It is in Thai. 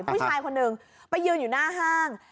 ผู้ชายคนหนึ่งไปยืนอยู่หน้าห้าง